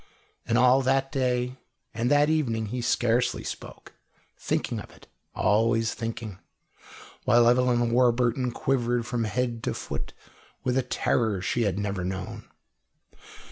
And all that day and that evening he scarcely spoke, thinking of it, always thinking, while Evelyn Warburton quivered from head to foot with a terror she had never known.